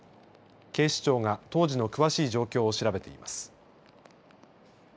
警視庁が当時の詳しい状況を調べています。